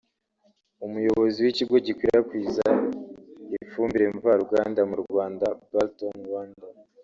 umuyobozi w’ikigo gikwirakwiza ifumbire mva ruganda mu Rwanda Balton Rwanda